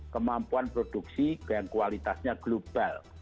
kemampuan produksi yang kualitasnya global